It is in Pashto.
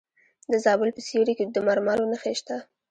د زابل په سیوري کې د مرمرو نښې شته.